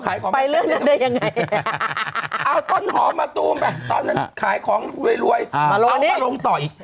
ขายของไปเรื่องนั้นได้ยังไงเอาต้นหอมมาตูมไปตอนนั้นขายของรวยมาลง